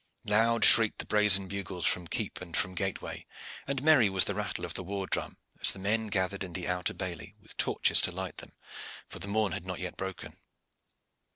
Loud shrieked the brazen bugles from keep and from gateway, and merry was the rattle of the war drum, as the men gathered in the outer bailey, with torches to light them, for the morn had not yet broken.